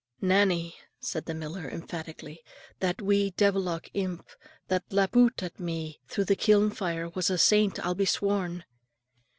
"Nannie," said the miller, emphatically, "that wee deevilock (imp) that lap oot at me through the kiln fire was a saint, I'll be sworn."